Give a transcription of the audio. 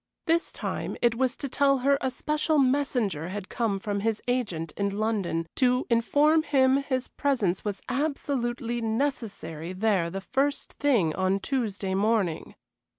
This time it was to tell her a special messenger had come from his agent in London to inform him his presence was absolutely necessary there the first thing on Tuesday morning.